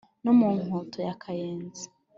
no mu nkoto ya kayenzi